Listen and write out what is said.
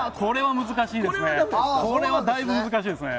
これはだいぶ難しいですね。